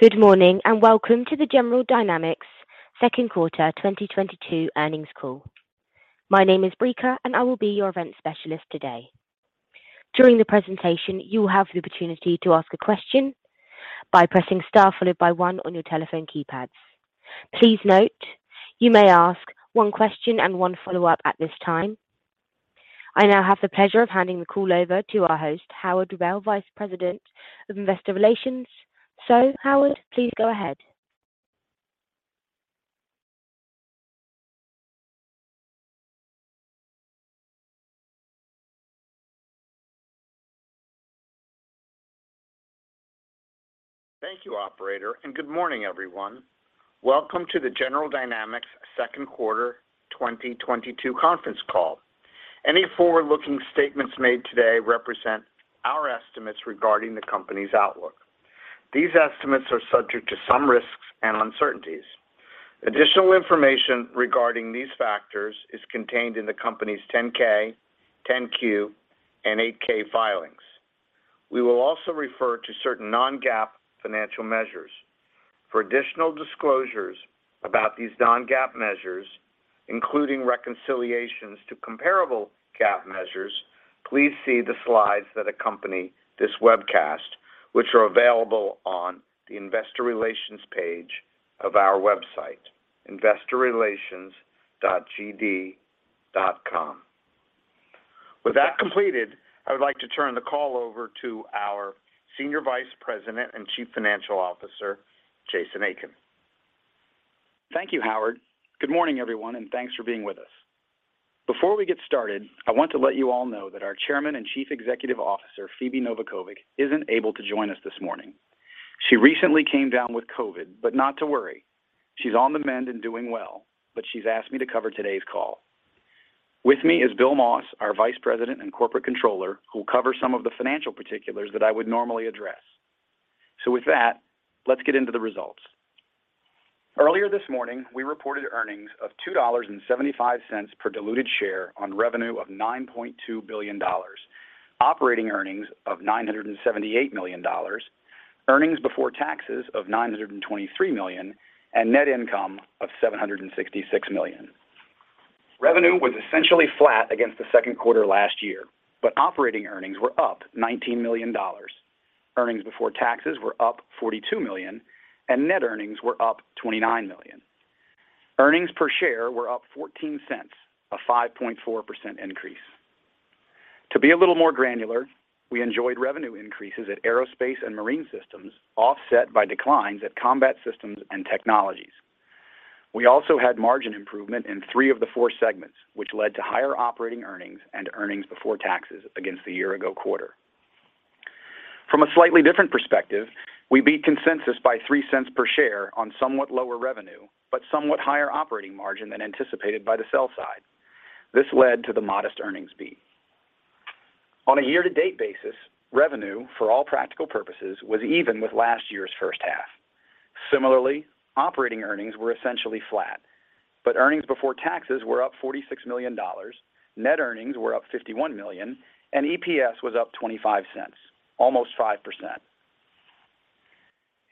Good morning, and welcome to the General Dynamics Q2 2022 earnings call. My name is Brica, and I will be your event specialist today. During the presentation, you will have the opportunity to ask a question by pressing star followed by one on your telephone keypads. Please note you may ask one question and one follow-up at this time. I now have the pleasure of handing the call over to our host, Howard Rubel, Vice President of Investor Relations. Howard, please go ahead. Thank you, operator, and good morning, everyone. Welcome to the General Dynamics Q2 2022 conference call. Any forward-looking statements made today represent our estimates regarding the company's outlook. These estimates are subject to some risks and uncertainties. Additional information regarding these factors is contained in the company's 10-K, 10-Q, and 8-K filings. We will also refer to certain non-GAAP financial measures. For additional disclosures about these non-GAAP measures, including reconciliations to comparable GAAP measures, please see the slides that accompany this webcast, which are available on the investor relations page of our website, investorrelations.gd.com. With that completed, I would like to turn the call over to our Senior Vice President and Chief Financial Officer, Jason Aiken. Thank you, Howard. Good morning, everyone, and thanks for being with us. Before we get started, I want to let you all know that our Chairman and Chief Executive Officer, Phebe Novakovic, isn't able to join us this morning. She recently came down with COVID, but not to worry. She's on the mend and doing well, but she's asked me to cover today's call. With me is Bill Moss, our Vice President and Corporate Controller, who will cover some of the financial particulars that I would normally address. With that, let's get into the results. Earlier this morning, we reported earnings of $2.75 per diluted share on revenue of $9.2 billion, operating earnings of $978 million, earnings before taxes of $923 million, and net income of $766 million. Revenue was essentially flat against the Q2 last year, but operating earnings were up $19 million. Earnings before taxes were up $42 million, and net earnings were up $29 million. Earnings per share were up $0.14, a 5.4% increase. To be a little more granular, we enjoyed revenue increases at Aerospace and Marine Systems, offset by declines at Combat Systems and Technologies. We also had margin improvement in three of the four segments, which led to higher operating earnings and earnings before taxes against the year-ago quarter. From a slightly different perspective, we beat consensus by $0.03 per share on somewhat lower revenue, but somewhat higher operating margin than anticipated by the sell side. This led to the modest earnings beat. On a year-to-date basis, revenue, for all practical purposes, was even with last year's H1. Similarly, operating earnings were essentially flat, but earnings before taxes were up $46 million, net earnings were up $51 million, and EPS was up $0.25, almost 5%.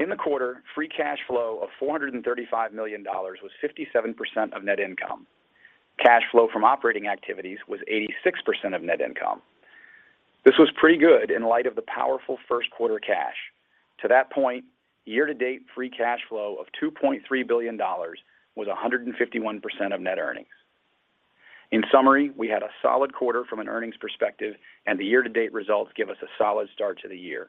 In the quarter, free cash flow of $435 million was 57% of net income. Cash flow from operating activities was 86% of net income. This was pretty good in light of the powerful Q1 cash. To that point, year-to-date free cash flow of $2.3 billion was 151% of net earnings. In summary, we had a solid quarter from an earnings perspective, and the year-to-date results give us a solid start to the year.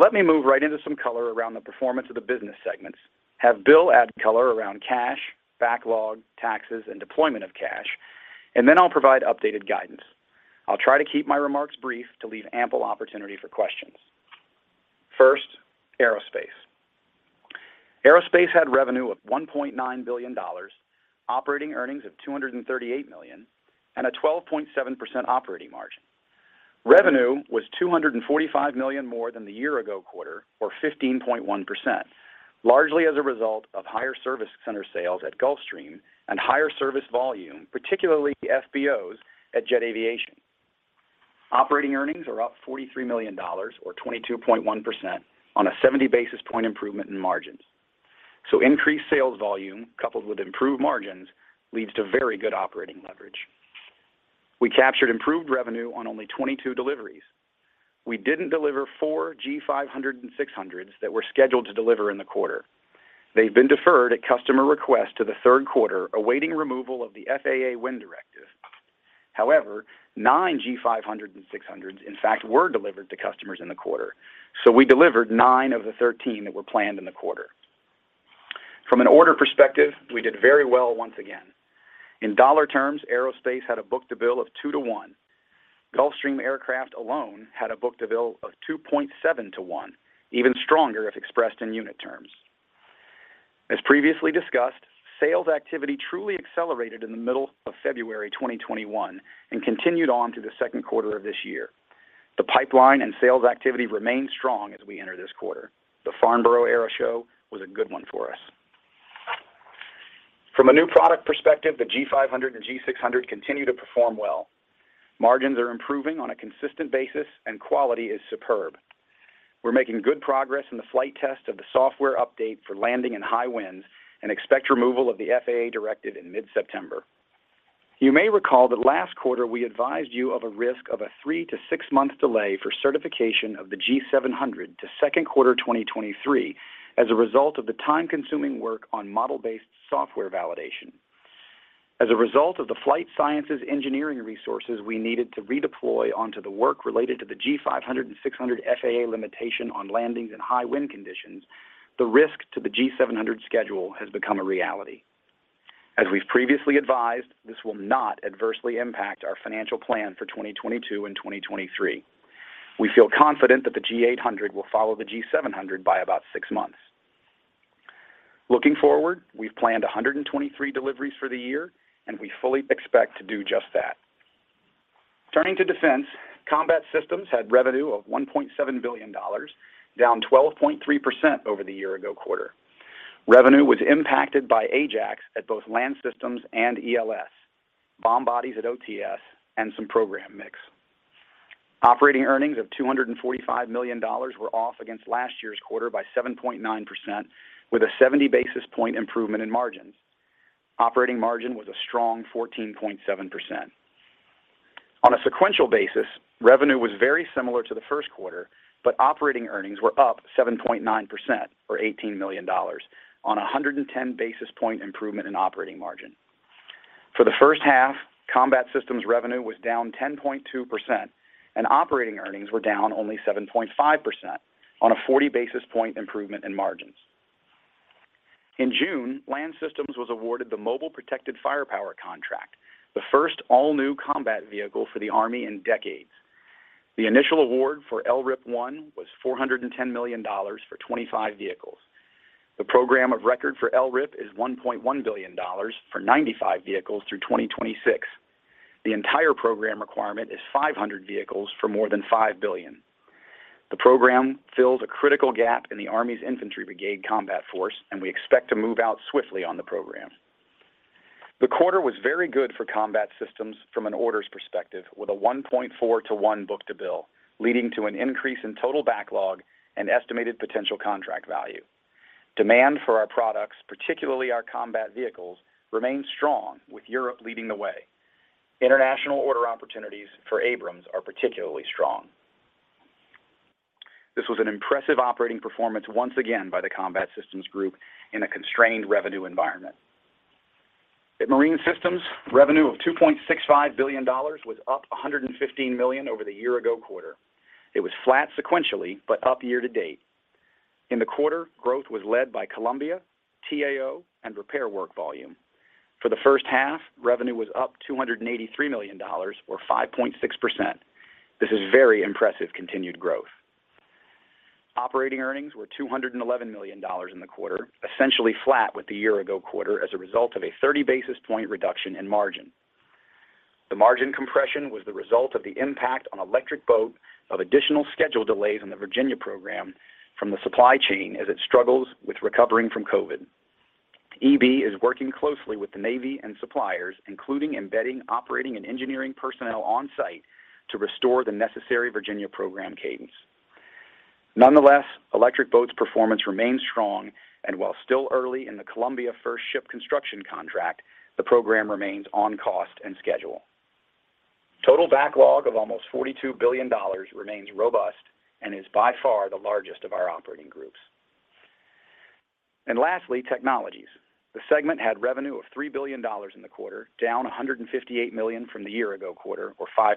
Let me move right into some color around the performance of the business segments, have Bill add color around cash, backlog, taxes, and deployment of cash, and then I'll provide updated guidance. I'll try to keep my remarks brief to leave ample opportunity for questions. First, Aerospace. Aerospace had revenue of $1.9 billion, operating earnings of $238 million, and a 12.7% operating margin. Revenue was $245 million more than the year-ago quarter, or 15.1%, largely as a result of higher service center sales at Gulfstream and higher service volume, particularly FBOs at Jet Aviation. Operating earnings are up $43 million or 22.1% on a 70 basis point improvement in margins. Increased sales volume coupled with improved margins leads to very good operating leverage. We captured improved revenue on only 22 deliveries. We didn't deliver 4 G500 and 600s that were scheduled to deliver in the quarter. They've been deferred at customer request to the Q3, awaiting removal of the FAA wind directive. However, nine G500 and G600s in fact were delivered to customers in the quarter. We delivered nine of the 13 that were planned in the quarter. From an order perspective, we did very well once again. In dollar terms, Aerospace had a book-to-bill of two-to-one. Gulfstream Aircraft alone had a book-to-bill of 2.7-to-1, even stronger if expressed in unit terms. As previously discussed, sales activity truly accelerated in the middle of February 2021 and continued on to the Q2 of this year. The pipeline and sales activity remain strong as we enter this quarter. The Farnborough Airshow was a good one for us. From a new product perspective, the G500 and G600 continue to perform well. Margins are improving on a consistent basis, and quality is superb. We're making good progress in the flight test of the software update for landing in high winds and expect removal of the FAA directive in mid-September. You may recall that last quarter we advised you of a risk of a three-to-six month delay for certification of the G700 to Q2 2023 as a result of the time-consuming work on model-based software validation. As a result of the flight sciences engineering resources we needed to redeploy onto the work related to the G500 and G600 FAA limitation on landings in high wind conditions, the risk to the G700 schedule has become a reality. As we've previously advised, this will not adversely impact our financial plan for 2022 and 2023. We feel confident that the G800 will follow the G700 by about six months. Looking forward, we've planned 123 deliveries for the year, and we fully expect to do just that. Turning to defense, Combat Systems had revenue of $1.7 billion, down 12.3% over the year-ago quarter. Revenue was impacted by Ajax at both Land Systems and ELS, bomb bodies at OTS, and some program mix. Operating earnings of $245 million were off against last year's quarter by 7.9% with a 70 basis point improvement in margins. Operating margin was a strong 14.7%. On a sequential basis, revenue was very similar to the Q1, but operating earnings were up 7.9%, or $18 million on a 110 basis point improvement in operating margin. For the H1, Combat Systems revenue was down 10.2%, and operating earnings were down only 7.5% on a 40 basis point improvement in margins. In June, Land Systems was awarded the Mobile Protected Firepower contract, the first all-new combat vehicle for the Army in decades. The initial award for LRIP 1 was $410 million for 25 vehicles. The program of record for LRIP is $1.1 billion for 95 vehicles through 2026. The entire program requirement is 500 vehicles for more than $5 billion. The program fills a critical gap in the Army's infantry brigade combat force, and we expect to move out swiftly on the program. The quarter was very good for Combat Systems from an orders perspective, with a 1.4-to-1 book-to-bill, leading to an increase in total backlog and estimated potential contract value. Demand for our products, particularly our combat vehicles, remains strong, with Europe leading the way. International order opportunities for Abrams are particularly strong. This was an impressive operating performance once again by the Combat Systems Group in a constrained revenue environment. At Marine Systems, revenue of $2.65 billion was up $115 million over the year-ago quarter. It was flat sequentially, but up year-to-date. In the quarter, growth was led by Columbia, T-AO, and repair work volume. For the H1, revenue was up $283 million, or 5.6%. This is very impressive continued growth. Operating earnings were $211 million in the quarter, essentially flat with the year ago quarter as a result of a 30 basis point reduction in margin. The margin compression was the result of the impact on Electric Boat of additional schedule delays on the Virginia program from the supply chain as it struggles with recovering from COVID. EB is working closely with the Navy and suppliers, including embedding operating and engineering personnel on-site to restore the necessary Virginia program cadence. Nonetheless, Electric Boat's performance remains strong, and while still early in the Columbia first ship construction contract, the program remains on cost and schedule. Total backlog of almost $42 billion remains robust and is by far the largest of our operating groups. Lastly, technologies. The segment had revenue of $3 billion in the quarter, down $158 million from the year ago quarter, or 5%.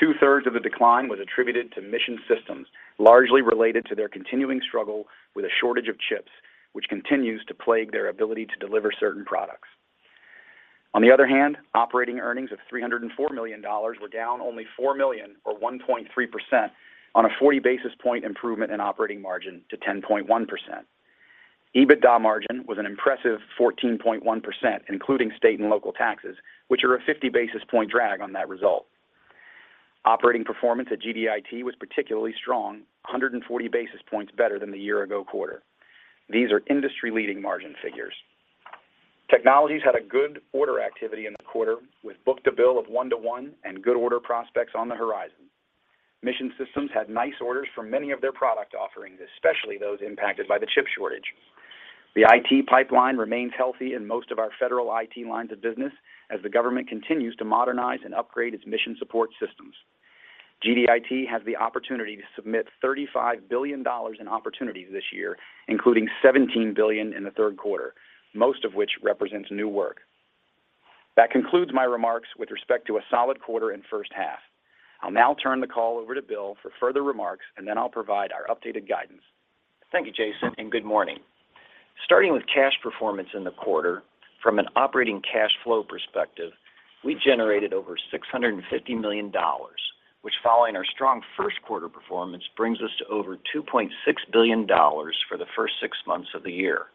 Two-thirds of the decline was attributed to Mission Systems, largely related to their continuing struggle with a shortage of chips, which continues to plague their ability to deliver certain products. On the other hand, operating earnings of $304 million were down only $4 million or 1.3% on a 40 basis point improvement in operating margin to 10.1%. EBITDA margin was an impressive 14.1%, including state and local taxes, which are a 50 basis point drag on that result. Operating performance at GDIT was particularly strong, 140 basis points better than the year ago quarter. These are industry-leading margin figures. Technologies had a good order activity in the quarter with book-to-bill of one-to-one and good order prospects on the horizon. Mission Systems had nice orders for many of their product offerings, especially those impacted by the chip shortage. The IT pipeline remains healthy in most of our federal IT lines of business as the government continues to modernize and upgrade its mission support systems. GDIT has the opportunity to submit $35 billion in opportunities this year, including $17 billion in the Q3, most of which represents new work. That concludes my remarks with respect to a solid quarter and H1. I'll now turn the call over to Bill for further remarks, and then I'll provide our updated guidance. Thank you, Jason, and good morning. Starting with cash performance in the quarter, from an operating cash flow perspective, we generated over $650 million, which, following our strong Q1 performance, brings us to over $2.6 billion for the first six months of the year.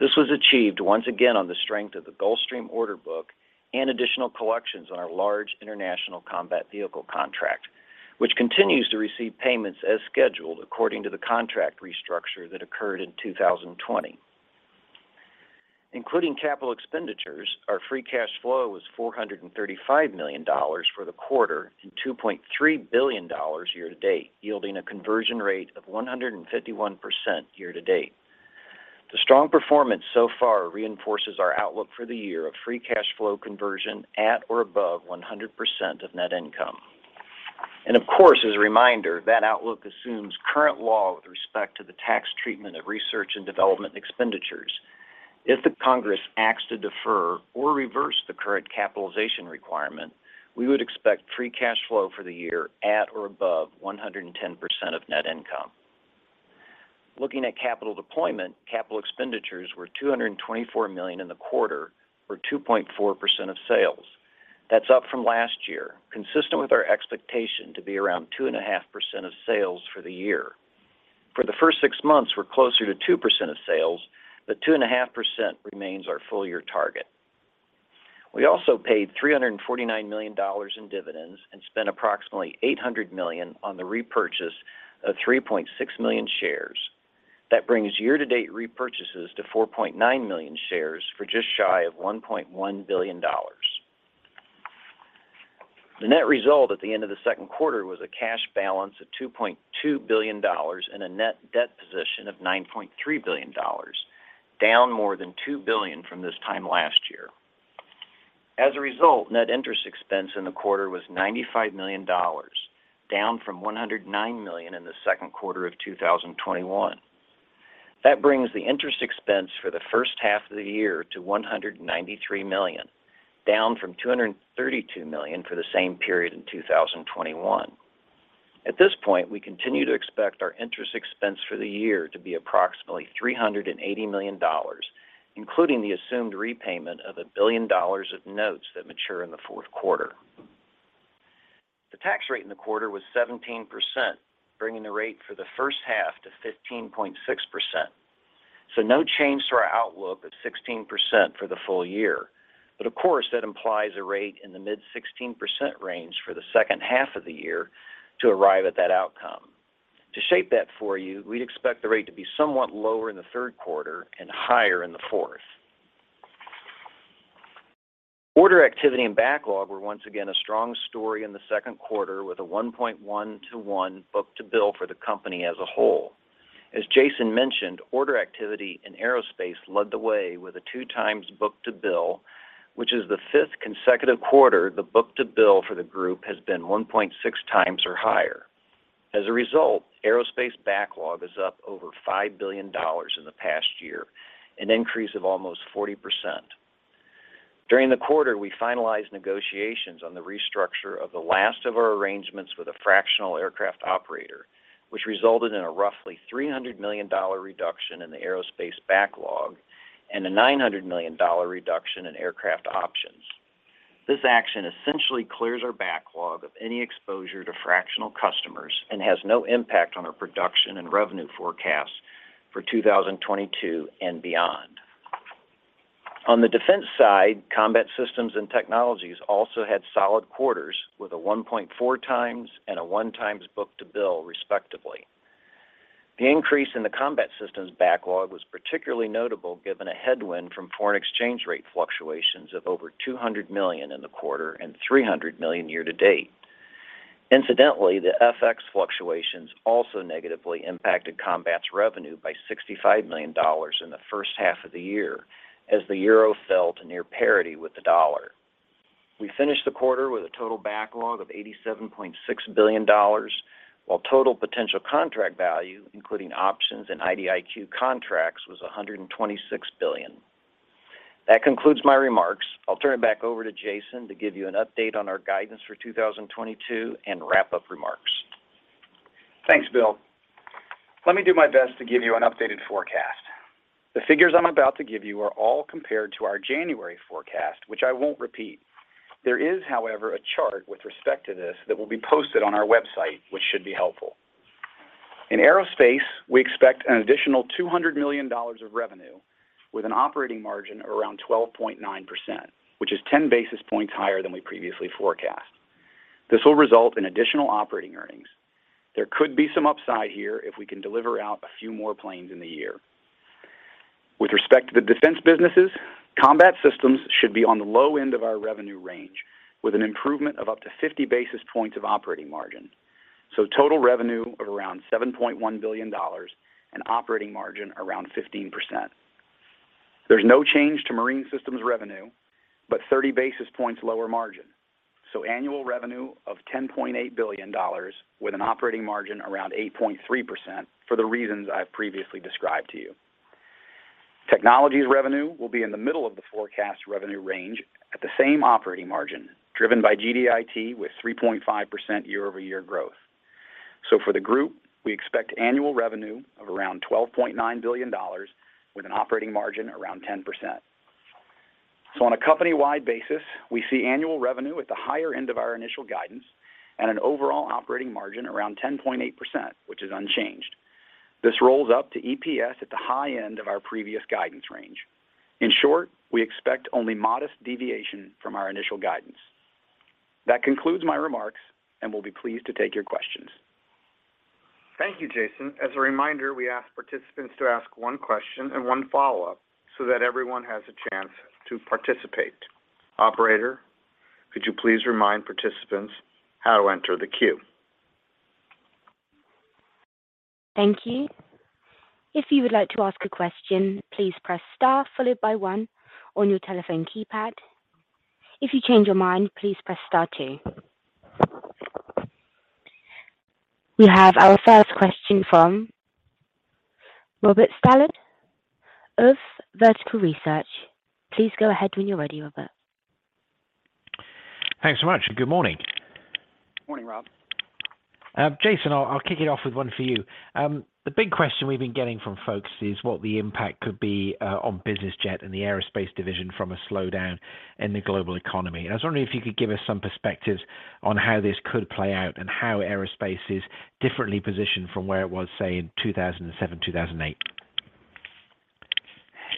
This was achieved once again on the strength of the Gulfstream order book and additional collections on our large international combat vehicle contract, which continues to receive payments as scheduled according to the contract restructure that occurred in 2020. Including capital expenditures, our free cash flow was $435 million for the quarter and $2.3 billion year to date, yielding a conversion rate of 151% year to date. The strong performance so far reinforces our outlook for the year of free cash flow conversion at or above 100% of net income. Of course, as a reminder, that outlook assumes current law with respect to the tax treatment of research and development expenditures. If the Congress acts to defer or reverse the current capitalization requirement, we would expect free cash flow for the year at or above 110% of net income. Looking at capital deployment, capital expenditures were $224 million in the quarter or 2.4% of sales. That's up from last year, consistent with our expectation to be around 2.5% of sales for the year. For the first six months, we're closer to 2% of sales, but 2.5% remains our full year target. We also paid $349 million in dividends and spent approximately $800 million on the repurchase of 3.6 million shares. That brings year-to-date repurchases to 4.9 million shares for just shy of $1.1 billion. The net result at the end of the Q2 was a cash balance of $2.2 billion and a net debt position of $9.3 billion, down more than $2 billion from this time last year. As a result, net interest expense in the quarter was $95 million, down from $109 million in the Q2 of 2021. That brings the interest expense for the H1 of the year to $193 million, down from $232 million for the same period in 2021. At this point, we continue to expect our interest expense for the year to be approximately $380 million, including the assumed repayment of $1 billion of notes that mature in the Q4. The tax rate in the quarter was 17%, bringing the rate for the H1 to 15.6%. No change to our outlook of 16% for the full year. Of course, that implies a rate in the mid-16% range for the H2 of the year to arrive at that outcome. To shape that for you, we'd expect the rate to be somewhat lower in the Q3 and higher in the fourth. Order activity and backlog were once again a strong story in the Q2 with a 1.1-to-one book-to-bill for the company as a whole. As Jason mentioned, order activity in aerospace led the way with a 2x book-to-bill, which is the fifth consecutive quarter the book-to-bill for the group has been 1.6x or higher. As a result, aerospace backlog is up over $5 billion in the past year, an increase of almost 40%. During the quarter, we finalized negotiations on the restructure of the last of our arrangements with a fractional aircraft operator, which resulted in a roughly $300 million reduction in the aerospace backlog and a $900 million reduction in aircraft options. This action essentially clears our backlog of any exposure to fractional customers and has no impact on our production and revenue forecasts for 2022 and beyond. On the defense side, Combat Systems and Technologies also had solid quarters with a 1.4x and a 1x book-to-bill, respectively. The increase in the Combat Systems backlog was particularly notable given a headwind from foreign exchange rate fluctuations of over $200 million in the quarter and $300 million year to date. Incidentally, the FX fluctuations also negatively impacted Combat's revenue by $65 million in the H1 of the year as the euro fell to near parity with the dollar. We finished the quarter with a total backlog of $87.6 billion, while total potential contract value, including options and IDIQ contracts, was $126 billion. That concludes my remarks. I'll turn it back over to Jason to give you an update on our guidance for 2022 and wrap-up remarks. Thanks, Bill. Let me do my best to give you an updated forecast. The figures I'm about to give you are all compared to our January forecast, which I won't repeat. There is, however, a chart with respect to this that will be posted on our website, which should be helpful. In Aerospace, we expect an additional $200 million of revenue with an operating margin around 12.9%, which is 10 basis points higher than we previously forecast. This will result in additional operating earnings. There could be some upside here if we can deliver out a few more planes in the year. With respect to the defense businesses, Combat Systems should be on the low end of our revenue range with an improvement of up to 50 basis points of operating margin. Total revenue of around $7.1 billion and operating margin around 15%. There's no change to Marine Systems revenue, but 30 basis points lower margin. Annual revenue of $10.8 billion with an operating margin around 8.3% for the reasons I've previously described to you. Technologies revenue will be in the middle of the forecast revenue range at the same operating margin, driven by GDIT with 3.5% year-over-year growth. For the group, we expect annual revenue of around $12.9 billion with an operating margin around 10%. On a company-wide basis, we see annual revenue at the higher end of our initial guidance and an overall operating margin around 10.8%, which is unchanged. This rolls up to EPS at the high end of our previous guidance range. In short, we expect only modest deviation from our initial guidance. That concludes my remarks, and we'll be pleased to take your questions. Thank you, Jason. As a reminder, we ask participants to ask one question and one follow-up so that everyone has a chance to participate. Operator, could you please remind participants how to enter the queue? Thank you. If you would like to ask a question, please press star followed by one on your telephone keypad. If you change your mind, please press star two. We have our first question from Robert Stallard of Vertical Research. Please go ahead when you're ready, Robert. Thanks so much, and good morning. Morning, Rob. Jason, I'll kick it off with one for you. The big question we've been getting from folks is what the impact could be on business jet and the Aerospace division from a slowdown in the global economy. I was wondering if you could give us some perspective on how this could play out and how Aerospace is differently positioned from where it was, say, in 2007, 2008.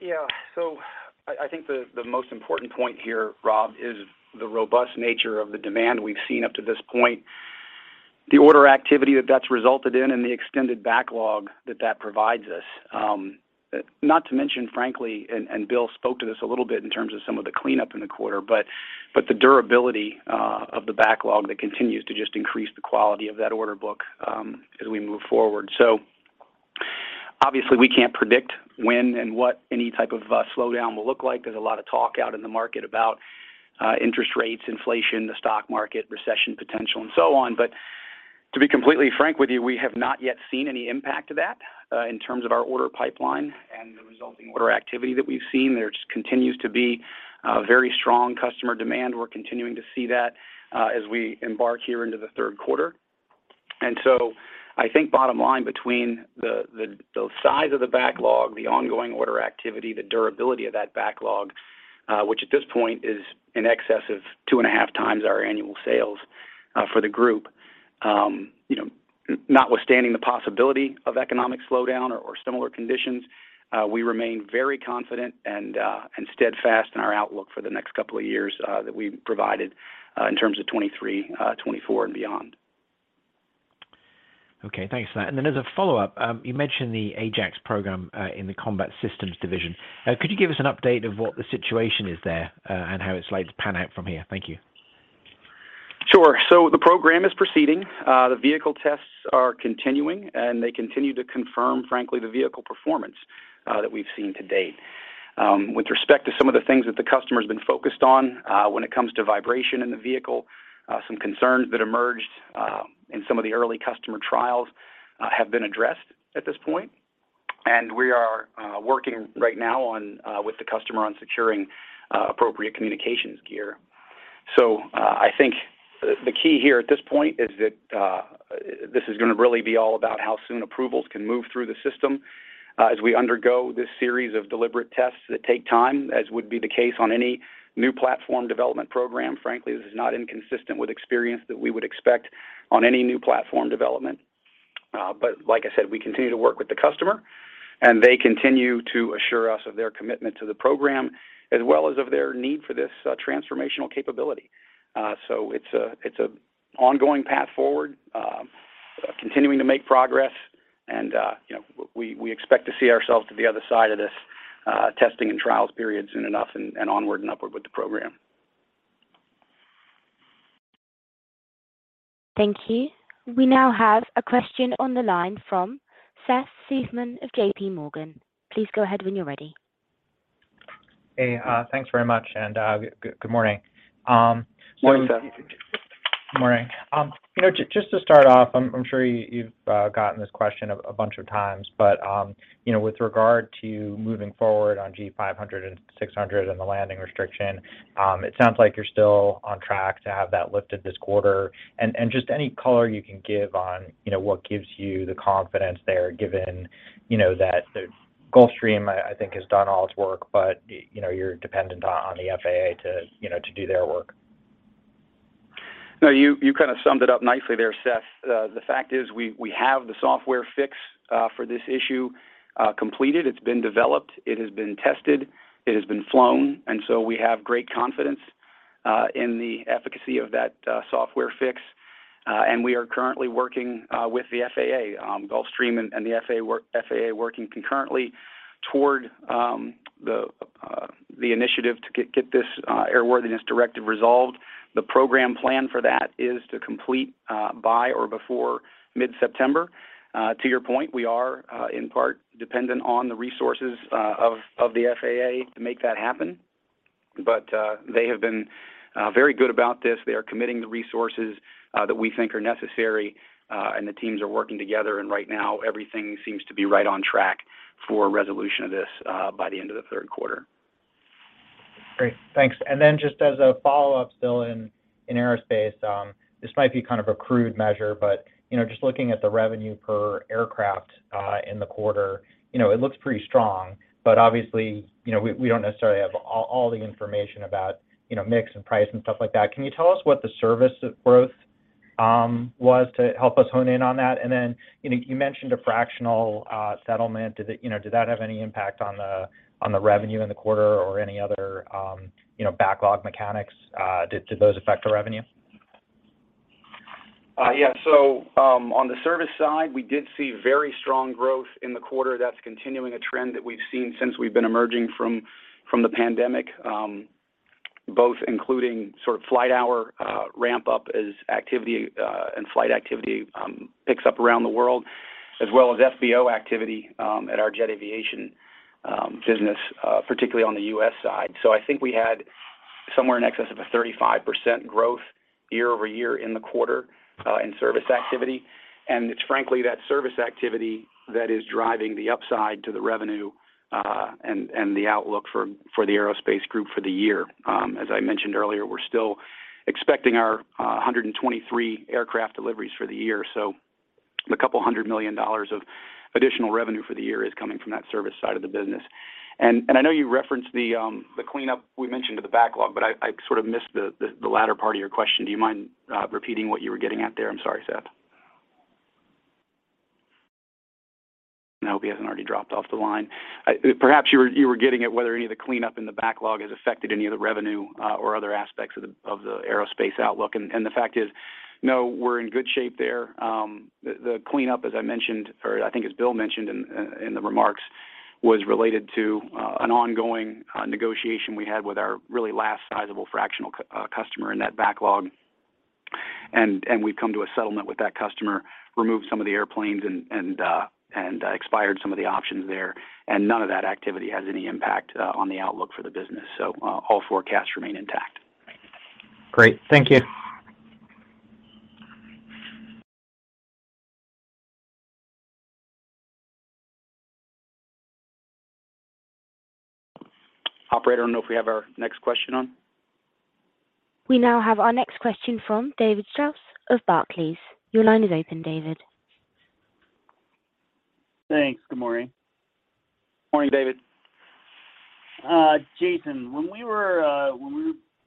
Yeah. I think the most important point here, Rob, is the robust nature of the demand we've seen up to this point, the order activity that's resulted in and the extended backlog that provides us, not to mention, frankly, and Bill spoke to this a little bit in terms of some of the cleanup in the quarter, but the durability of the backlog that continues to just increase the quality of that order book, as we move forward. Obviously, we can't predict when and what any type of a slowdown will look like. There's a lot of talk out in the market about interest rates, inflation, the stock market, recession potential, and so on. To be completely frank with you, we have not yet seen any impact of that, in terms of our order pipeline and the resulting order activity that we've seen. There just continues to be a very strong customer demand. We're continuing to see that, as we embark here into the Q3. I think bottom line between the size of the backlog, the ongoing order activity, the durability of that backlog, which at this point is in excess of two and a half times our annual sales, for the group, you know, notwithstanding the possibility of economic slowdown or similar conditions, we remain very confident and steadfast in our outlook for the next couple of years, that we've provided, in terms of 2023, 2024, and beyond. Okay. Thanks for that. As a follow-up, you mentioned the Ajax program in the Combat Systems division. Could you give us an update of what the situation is there, and how it's likely to pan out from here? Thank you. Sure. The program is proceeding. The vehicle tests are continuing, and they continue to confirm, frankly, the vehicle performance that we've seen to date. With respect to some of the things that the customer's been focused on, when it comes to vibration in the vehicle, some concerns that emerged in some of the early customer trials have been addressed at this point. We are working right now with the customer on securing appropriate communications gear. I think the key here at this point is that this is gonna really be all about how soon approvals can move through the system, as we undergo this series of deliberate tests that take time, as would be the case on any new platform development program. Frankly, this is not inconsistent with experience that we would expect on any new platform development. Like I said, we continue to work with the customer, and they continue to assure us of their commitment to the program as well as of their need for this, transformational capability. It's an ongoing path forward, continuing to make progress, and, you know, we expect to see ourselves to the other side of this, testing and trials period soon enough and onward and upward with the program. Thank you. We now have a question on the line from Seth Seifman of J.P. Morgan. Please go ahead when you're ready. Hey. Thanks very much, and good morning. Morning, Seth. Morning. You know, just to start off, I'm sure you've gotten this question a bunch of times, but you know, with regard to moving forward on G500 and G600 and the landing restriction, it sounds like you're still on track to have that lifted this quarter. Just any color you can give on, you know, what gives you the confidence there, given, you know, that the Gulfstream, I think, has done all its work, but you know, you're dependent on the FAA to, you know, to do their work. No, you kinda summed it up nicely there, Seth. The fact is we have the software fix for this issue completed. It's been developed, it has been tested, it has been flown, and so we have great confidence in the efficacy of that software fix. We are currently working with the FAA, Gulfstream and the FAA working concurrently toward the initiative to get this airworthiness directive resolved. The program plan for that is to complete by or before mid-September. To your point, we are in part dependent on the resources of the FAA to make that happen. They have been very good about this. They are committing the resources that we think are necessary and the teams are working together. Right now everything seems to be right on track for resolution of this, by the end of the Q3. Great. Thanks. Just as a follow-up still in aerospace, this might be kind of a crude measure, but, you know, just looking at the revenue per aircraft in the quarter, you know, it looks pretty strong. Obviously, you know, we don't necessarily have all the information about, you know, mix and price and stuff like that. Can you tell us what the services growth was to help us hone in on that. You know, you mentioned a fractional settlement. Did that have any impact on the revenue in the quarter or any other backlog mechanics, did those affect the revenue? Yeah. On the service side, we did see very strong growth in the quarter. That's continuing a trend that we've seen since we've been emerging from the pandemic, both including sort of flight hour ramp up as activity and flight activity picks up around the world, as well as FBO activity at our Jet Aviation business, particularly on the U.S. side. I think we had somewhere in excess of 35% growth year-over-year in the quarter in service activity. It's frankly that service activity that is driving the upside to the revenue and the outlook for the Aerospace group for the year. As I mentioned earlier, we're still expecting our 123 aircraft deliveries for the year. $200 million of additional revenue for the year is coming from that service side of the business. I know you referenced the cleanup we mentioned to the backlog, but I sort of missed the latter part of your question. Do you mind repeating what you were getting at there? I'm sorry, Seth. I hope he hasn't already dropped off the line. Perhaps you were getting at whether any of the cleanup in the backlog has affected any of the revenue or other aspects of the aerospace outlook. The fact is, no, we're in good shape there. The cleanup, as I mentioned, or I think as Bill mentioned in the remarks, was related to an ongoing negotiation we had with our really last sizable fractional customer in that backlog. We've come to a settlement with that customer, removed some of the airplanes and expired some of the options there. None of that activity has any impact on the outlook for the business. All forecasts remain intact. Great. Thank you. Operator, I don't know if we have our next question on. We now have our next question from David Strauss of Barclays. Your line is open, David. Thanks. Good morning. Morning, David. Jason, when we were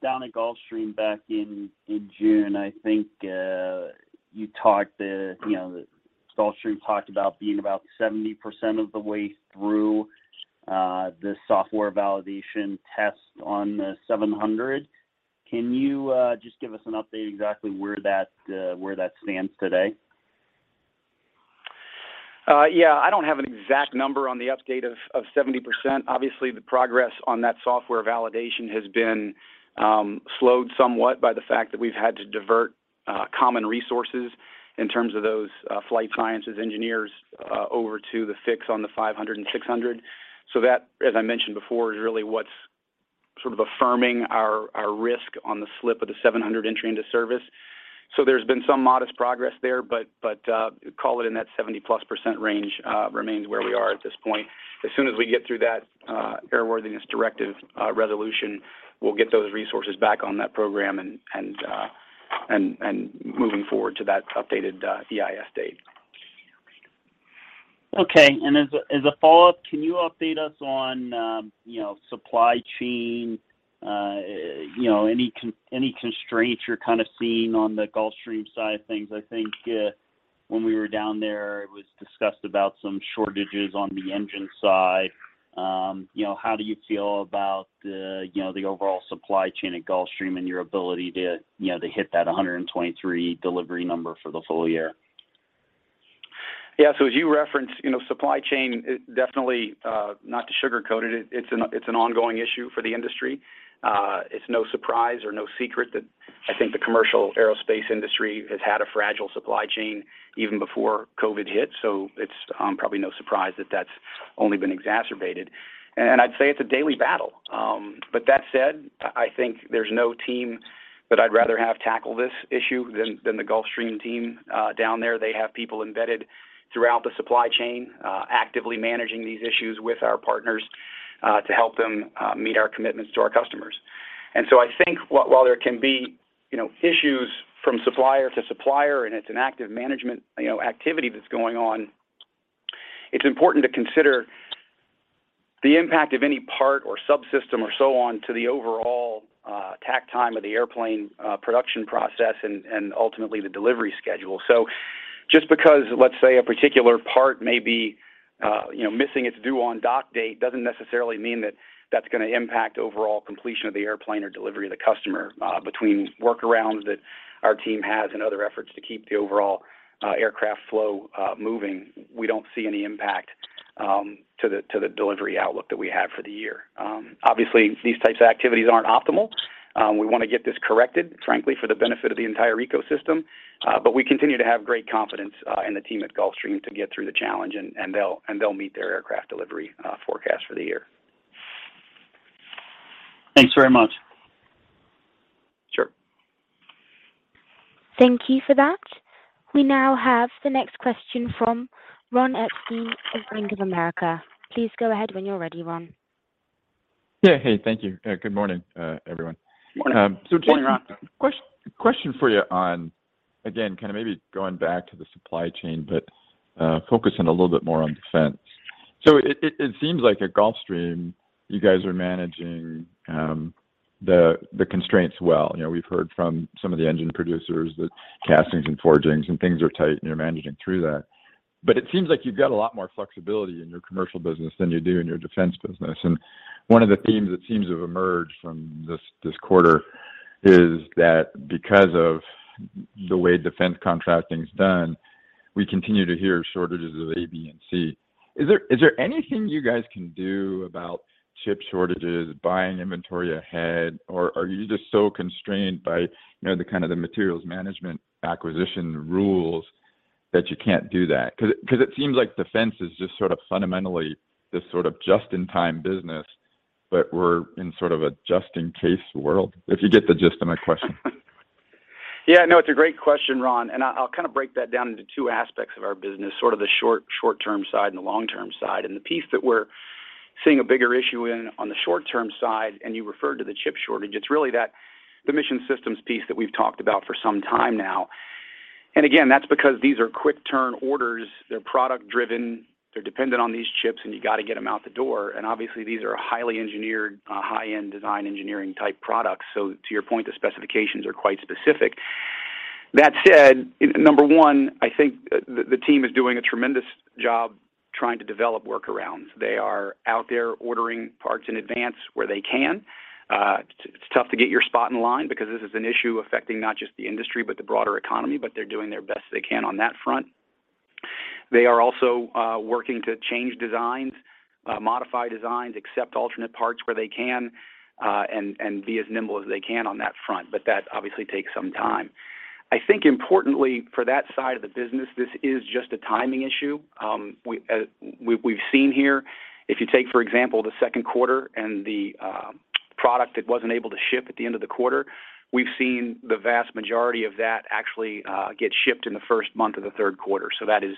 down at Gulfstream back in June, I think, you talked, you know, the Gulfstream talked about being about 70% of the way through the software validation test on the G700. Can you just give us an update exactly where that stands today? I don't have an exact number on the update of 70%. Obviously, the progress on that software validation has been slowed somewhat by the fact that we've had to divert common resources in terms of those flight sciences engineers over to the fix on the 500 and 600. That, as I mentioned before, is really what's sort of affirming our risk on the slip of the 700 entry into service. There's been some modest progress there, but call it in that 70+% range remains where we are at this point. As soon as we get through that airworthiness directive resolution, we'll get those resources back on that program and moving forward to that updated EIS date. Okay. As a follow-up, can you update us on, you know, supply chain, you know, any constraints you're kind of seeing on the Gulfstream side of things? I think, when we were down there, it was discussed about some shortages on the engine side. You know, how do you feel about the, you know, the overall supply chain at Gulfstream and your ability to, you know, to hit that 123 delivery number for the full year? Yeah. As you referenced, you know, supply chain is definitely not to sugarcoat it's an ongoing issue for the industry. It's no surprise or no secret that I think the commercial aerospace industry has had a fragile supply chain even before COVID hit. It's probably no surprise that that's only been exacerbated. I'd say it's a daily battle. That said, I think there's no team that I'd rather have tackle this issue than the Gulfstream team down there. They have people embedded throughout the supply chain, actively managing these issues with our partners to help them meet our commitments to our customers. I think while there can be, you know, issues from supplier to supplier, and it's an active management, you know, activity that's going on, it's important to consider the impact of any part or subsystem or so on to the overall takt time of the airplane production process and ultimately the delivery schedule. Just because, let's say, a particular part may be, you know, missing its due on dock date doesn't necessarily mean that that's gonna impact overall completion of the airplane or delivery to the customer. Between workarounds that our team has and other efforts to keep the overall aircraft flow moving, we don't see any impact to the delivery outlook that we have for the year. Obviously, these types of activities aren't optimal. We wanna get this corrected, frankly for the benefit of the entire ecosystem. We continue to have great confidence in the team at Gulfstream to get through the challenge, and they'll meet their aircraft delivery forecast for the year. Thanks very much. Sure. Thank you for that. We now have the next question from Ronald Epstein of Bank of America. Please go ahead when you're ready, Ron. Yeah. Hey, thank you. Good morning, everyone. Morning. Morning, Ron. Jason, question for you on, again, kind of maybe going back to the supply chain, but focusing a little bit more on defense. It seems like at Gulfstream you guys are managing the constraints well. You know, we've heard from some of the engine producers that castings and forgings and things are tight, and you're managing through that. It seems like you've got a lot more flexibility in your commercial business than you do in your defense business. One of the themes that seems to have emerged from this quarter is that because of the way defense contracting's done, we continue to hear shortages of A, B, and C. Is there anything you guys can do about chip shortages, buying inventory ahead, or are you just so constrained by you know, the kind of materials management acquisition rules that you can't do that? Because it seems like defense is just sort of fundamentally this sort of just-in-time business, but we're in sort of a just-in-case world, if you get the gist of my question? Yeah, no, it's a great question, Ron, and I'll kind of break that down into two aspects of our business, sort of the short-term side and the long-term side. The piece that we're seeing a bigger issue in on the short-term side, and you referred to the chip shortage, it's really that the Mission Systems piece that we've talked about for some time now. Again, that's because these are quick turn orders. They're product driven. They're dependent on these chips, and you gotta get them out the door. Obviously these are highly engineered, high-end design engineering type products, so to your point, the specifications are quite specific. That said, number one, I think the team is doing a tremendous job trying to develop workarounds. They are out there ordering parts in advance where they can. It's tough to get your spot in line because this is an issue affecting not just the industry but the broader economy, but they're doing their best they can on that front. They are also working to change designs, modify designs, accept alternate parts where they can, and be as nimble as they can on that front, but that obviously takes some time. I think importantly for that side of the business, this is just a timing issue. We've seen here, if you take, for example, the Q2 and the product that wasn't able to ship at the end of the quarter, we've seen the vast majority of that actually get shipped in the first month of the Q3. So that is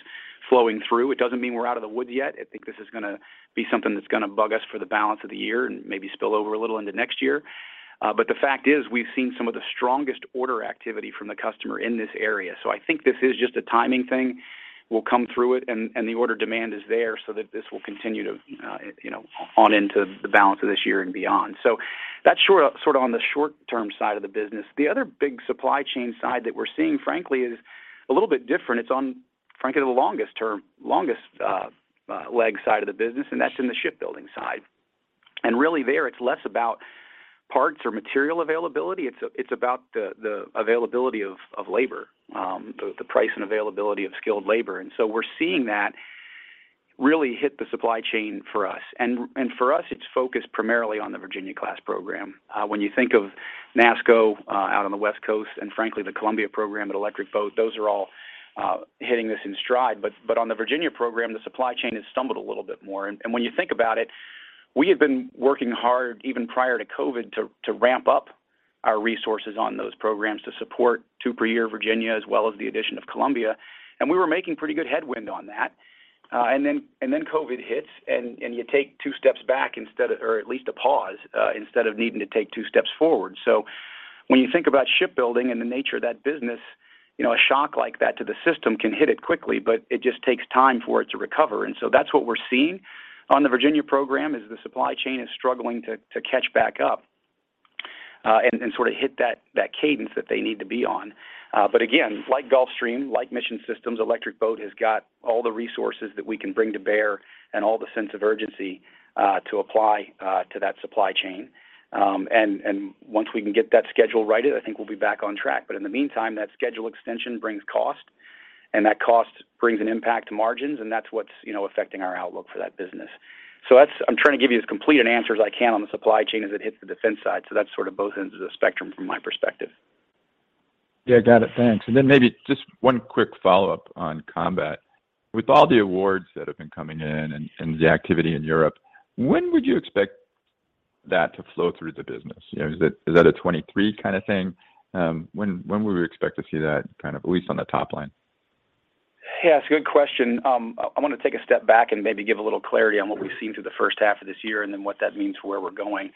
flowing through. It doesn't mean we're out of the woods yet. I think this is gonna be something that's gonna bug us for the balance of the year and maybe spill over a little into next year. The fact is we've seen some of the strongest order activity from the customer in this area. I think this is just a timing thing. We'll come through it and the order demand is there so that this will continue to, you know, on into the balance of this year and beyond. That sort of on the short-term side of the business. The other big supply chain side that we're seeing, frankly, is a little bit different. It's on, frankly, the longest term leg side of the business, and that's in the shipbuilding side. Really there it's less about parts or material availability. It's about the availability of labor, the price and availability of skilled labor. We're seeing that really hit the supply chain for us. For us, it's focused primarily on the Virginia-class program. When you think of NASSCO out on the West Coast and frankly the Columbia program at Electric Boat, those are all hitting this in stride. On the Virginia program, the supply chain has stumbled a little bit more. When you think about it, we have been working hard even prior to COVID to ramp up our resources on those programs to support two per year Virginia as well as the addition of Columbia, and we were making pretty good headway on that. COVID hits and you take two steps back instead of... At least a pause, instead of needing to take two steps forward. When you think about shipbuilding and the nature of that business, you know, a shock like that to the system can hit it quickly, but it just takes time for it to recover. That's what we're seeing on the Virginia program is the supply chain is struggling to catch back up, and sort of hit that cadence that they need to be on. Again, like Gulfstream, like Mission Systems, Electric Boat has got all the resources that we can bring to bear and all the sense of urgency to apply to that supply chain. Once we can get that schedule righted, I think we'll be back on track. In the meantime, that schedule extension brings cost, and that cost brings an impact to margins, and that's what's, you know, affecting our outlook for that business. That's. I'm trying to give you as complete an answer as I can on the supply chain as it hits the defense side. That's sort of both ends of the spectrum from my perspective. Yeah, got it. Thanks. Maybe just one quick follow-up on Combat. With all the awards that have been coming in and the activity in Europe, when would you expect that to flow through the business? You know, is that a 2023 kind of thing? When would we expect to see that kind of, at least on the top line? Yeah, that's a good question. I wanna take a step back and maybe give a little clarity on what we've seen through the H1 of this year and then what that means where we're going.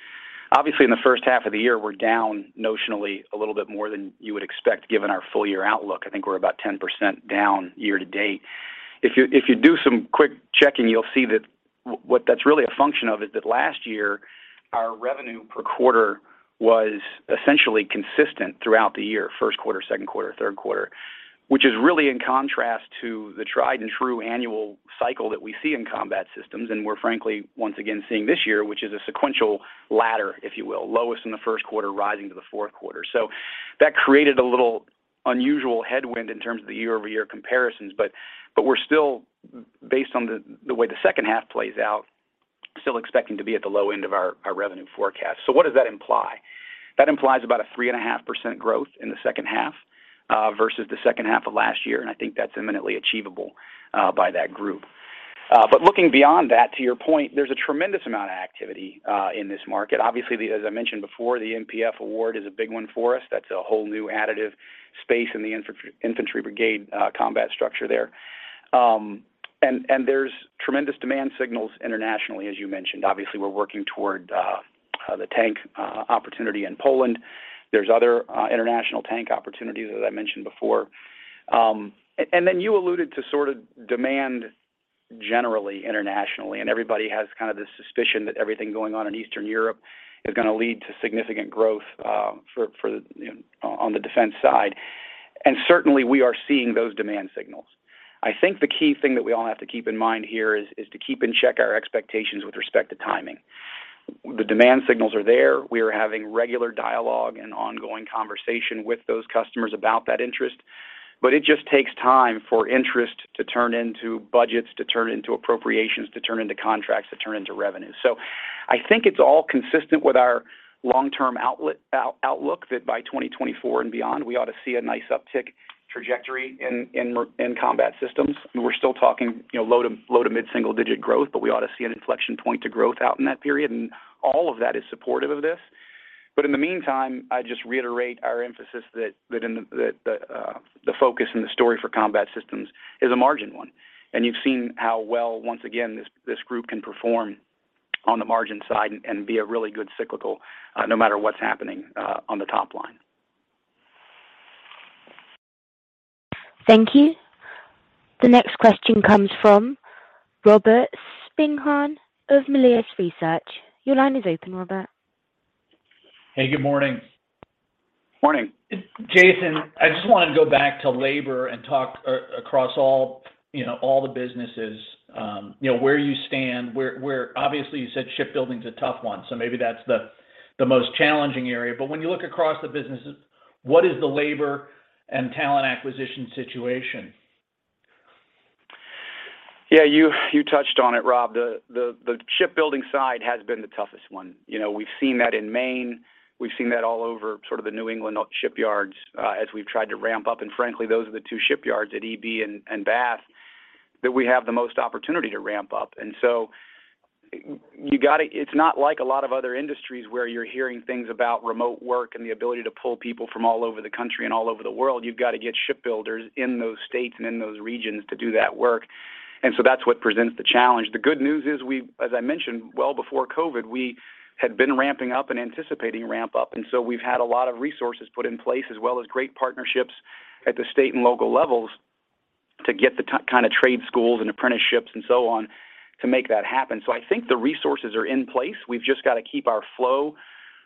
Obviously, in the H1 of the year, we're down notionally a little bit more than you would expect given our full year outlook. I think we're about 10% down year to date. If you do some quick checking, you'll see that what that's really a function of is that last year our revenue per quarter was essentially consistent throughout the year, Q1, Q2, Q3, which is really in contrast to the tried and true annual cycle that we see in Combat Systems. We're frankly once again seeing this year, which is a sequential ladder, if you will, lowest in the Q1, rising to the Q4. That created a little unusual headwind in terms of the year-over-year comparisons. We're still, based on the way the H2 plays out, still expecting to be at the low end of our revenue forecast. What does that imply? That implies about a 3.5% growth in the H2 versus the H2 of last year, and I think that's eminently achievable by that group. Looking beyond that, to your point, there's a tremendous amount of activity in this market. Obviously, as I mentioned before, the MPF award is a big one for us. That's a whole new additive space in the infantry brigade combat structure there. There's tremendous demand signals internationally, as you mentioned. Obviously, we're working toward the tank opportunity in Poland. There's other international tank opportunities, as I mentioned before. You alluded to sort of demand generally internationally, and everybody has kind of this suspicion that everything going on in Eastern Europe is gonna lead to significant growth for the you know on the defense side. Certainly we are seeing those demand signals. I think the key thing that we all have to keep in mind here is to keep in check our expectations with respect to timing. The demand signals are there. We are having regular dialogue and ongoing conversation with those customers about that interest. It just takes time for interest to turn into budgets, to turn into appropriations, to turn into contracts, to turn into revenue. I think it's all consistent with our long-term outlook that by 2024 and beyond, we ought to see a nice uptick trajectory in Combat Systems. We're still talking, you know, low- to mid-single-digit growth, but we ought to see an inflection point to growth out in that period. All of that is supportive of this. In the meantime, I just reiterate our emphasis that in the focus and the story for Combat Systems is a margin one. You've seen how well, once again, this group can perform on the margin side and be a really good cyclical no matter what's happening on the top line. Thank you. The next question comes from Robert Spingarn of Melius Research. Your line is open, Robert. Hey, good morning. Morning. Jason, I just wanted to go back to labor and talk across all, you know, all the businesses. You know, where you stand, where obviously you said shipbuilding's a tough one, so maybe that's the most challenging area. When you look across the businesses, what is the labor and talent acquisition situation? Yeah, you touched on it, Rob. The shipbuilding side has been the toughest one. You know, we've seen that in Maine. We've seen that all over sort of the New England shipyards, as we've tried to ramp up, and frankly, those are the two shipyards at EB and Bath that we have the most opportunity to ramp up. It's not like a lot of other industries where you're hearing things about remote work and the ability to pull people from all over the country and all over the world. You've got to get shipbuilders in those states and in those regions to do that work. That's what presents the challenge. The good news is we've, as I mentioned, well before COVID, we had been ramping up and anticipating ramp up, and so we've had a lot of resources put in place, as well as great partnerships at the state and local levels to get the kind of trade schools and apprenticeships and so on to make that happen. I think the resources are in place. We've just got to keep our flow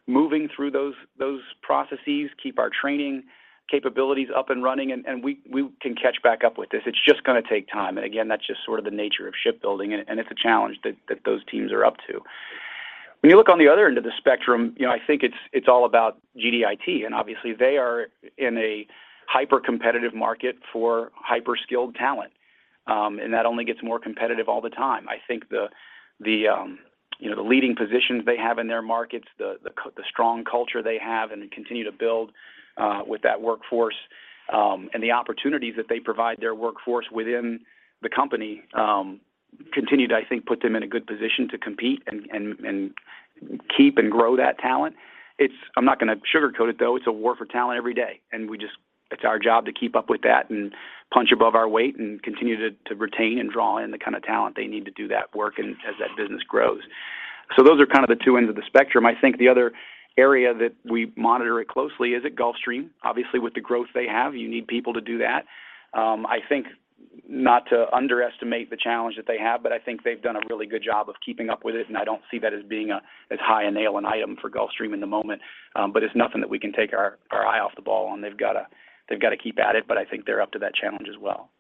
moving through those processes, keep our training capabilities up and running, and we can catch back up with this. It's just gonna take time. Again, that's just sort of the nature of shipbuilding, and it's a challenge that those teams are up to. When you look on the other end of the spectrum, you know, I think it's all about GDIT, and obviously they are in a hyper-competitive market for hyper-skilled talent. That only gets more competitive all the time. I think the leading positions they have in their markets, the strong culture they have and continue to build with that workforce, and the opportunities that they provide their workforce within the company continue to, I think, put them in a good position to compete and keep and grow that talent. It's. I'm not gonna sugarcoat it, though. It's a war for talent every day. It's our job to keep up with that and punch above our weight and continue to retain and draw in the kind of talent they need to do that work and as that business grows. Those are kind of the two ends of the spectrum. I think the other area that we monitor it closely is at Gulfstream. Obviously, with the growth they have, you need people to do that. I think not to underestimate the challenge that they have, but I think they've done a really good job of keeping up with it, and I don't see that as being as high a nail an item for Gulfstream in the moment. It's nothing that we can take our eye off the ball, and they've got to keep at it, but I think they're up to that challenge as well.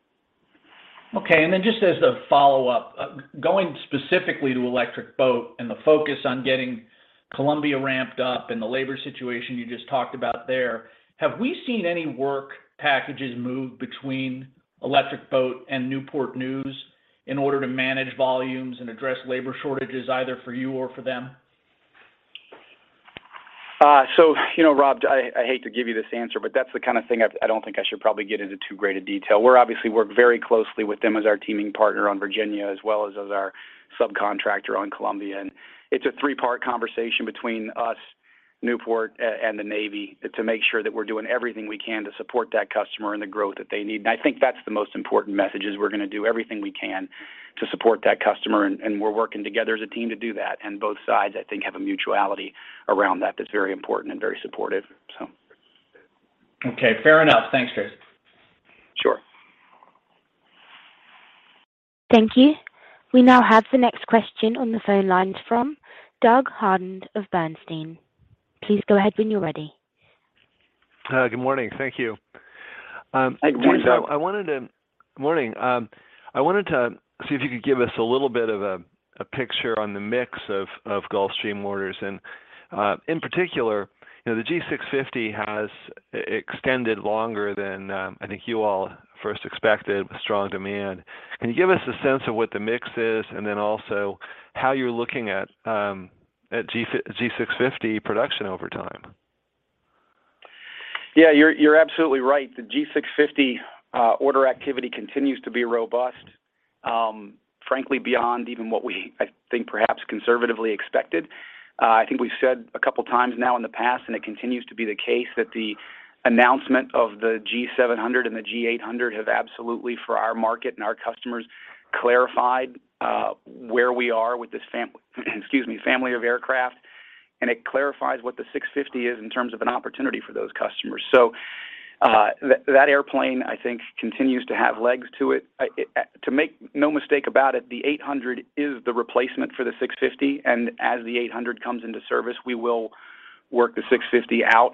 Okay. Just as a follow-up, going specifically to Electric Boat and the focus on getting Columbia ramped up and the labor situation you just talked about there, have we seen any work packages move between Electric Boat and Newport News in order to manage volumes and address labor shortages, either for you or for them? You know, Rob, I hate to give you this answer, but that's the kind of thing I don't think I should probably get into too great a detail. We obviously work very closely with them as our teaming partner on Virginia, as well as our subcontractor on Columbia. It's a three-part conversation between us, Newport, and the Navy to make sure that we're doing everything we can to support that customer and the growth that they need. I think that's the most important message is we're gonna do everything we can to support that customer, and we're working together as a team to do that. Both sides, I think, have a mutuality around that that's very important and very supportive. Okay, fair enough. Thanks, Jason. Sure. Thank you. We now have the next question on the phone lines from Doug Harned of Bernstein. Please go ahead when you're ready. Good morning. Thank you. Good morning, Doug. Good morning. I wanted to see if you could give us a little bit of a picture on the mix of Gulfstream orders. In particular, you know, the G650 has extended longer than I think you all first expected with strong demand. Can you give us a sense of what the mix is and then also how you're looking at G650 production over time? Yeah, you're absolutely right. The G650 order activity continues to be robust, frankly, beyond even what we, I think perhaps conservatively expected. I think we've said a couple of times now in the past, and it continues to be the case that the announcement of the G700 and the G800 have absolutely, for our market and our customers, clarified where we are with this family of aircraft. It clarifies what the G650 is in terms of an opportunity for those customers. That airplane, I think, continues to have legs to it. To make no mistake about it, the G800 is the replacement for the G650, and as the G800 comes into service, we will work the G650 out.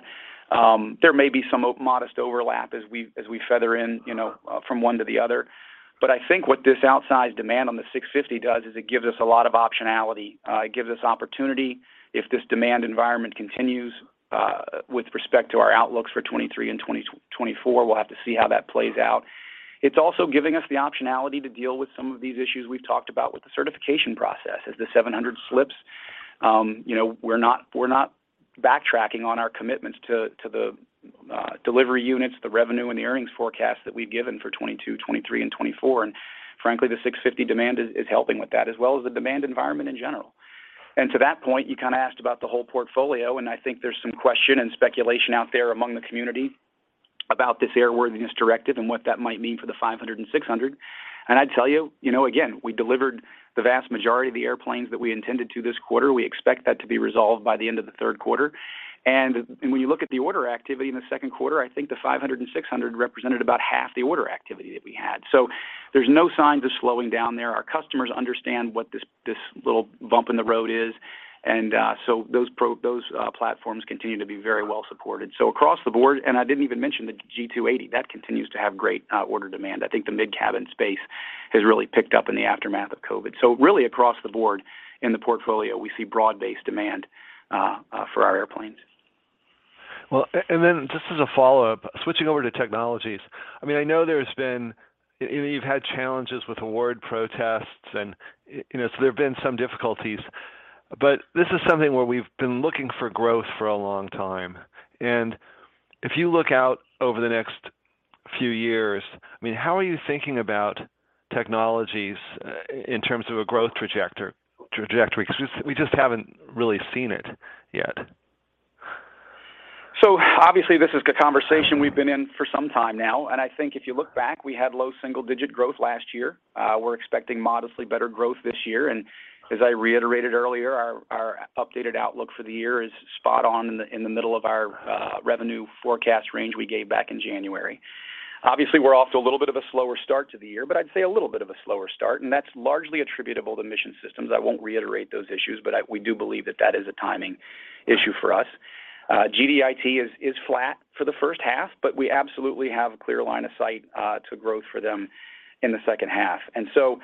There may be some modest overlap as we feather in, you know, from one to the other. But I think what this outsized demand on the 650 does is it gives us a lot of optionality. It gives us opportunity if this demand environment continues with respect to our outlooks for 2023 and 2024. We'll have to see how that plays out. It's also giving us the optionality to deal with some of these issues we've talked about with the certification process as the 700 slips. You know, we're not backtracking on our commitments to the delivery units, the revenue, and the earnings forecast that we've given for 2022, 2023, and 2024. Frankly, the 650 demand is helping with that, as well as the demand environment in general. To that point, you kind of asked about the whole portfolio, and I think there's some question and speculation out there among the community about this airworthiness directive and what that might mean for the G500 and G600. I'd tell you know, again, we delivered the vast majority of the airplanes that we intended to this quarter. We expect that to be resolved by the end of the Q3. When you look at the order activity in the Q2, I think the G500 and G600 represented about half the order activity that we had. There's no signs of slowing down there. Our customers understand what this little bump in the road is. Those platforms continue to be very well supported. Across the board, and I didn't even mention the G280. That continues to have great order demand. I think the mid-cabin space has really picked up in the aftermath of COVID. Really across the board in the portfolio, we see broad-based demand for our airplanes. Well, and then just as a follow-up, switching over to technologies. I mean, I know there's been, you know, you've had challenges with award protests and, you know, so there have been some difficulties. This is something where we've been looking for growth for a long time. If you look out over the next few years, I mean, how are you thinking about technologies in terms of a growth trajectory? Because we just haven't really seen it yet. Obviously, this is a conversation we've been in for some time now. I think if you look back, we had low single-digit growth last year. We're expecting modestly better growth this year. As I reiterated earlier, our updated outlook for the year is spot on in the middle of our revenue forecast range we gave back in January. Obviously, we're off to a little bit of a slower start to the year, but I'd say a little bit of a slower start, and that's largely attributable to Mission Systems. I won't reiterate those issues, but we do believe that is a timing issue for us. GDIT is flat for the H1, but we absolutely have a clear line of sight to growth for them in the H2.